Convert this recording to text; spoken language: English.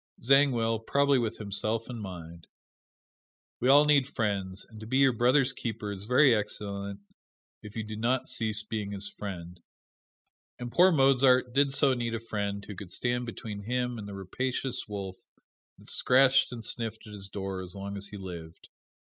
Zangwill, probably with himself in mind. We all need friends and to be your brother's keeper is very excellent if you do not cease being his friend. And poor Mozart did so need a friend who could stand between him and the rapacious wolf that scratched and sniffed at his door as long as he lived.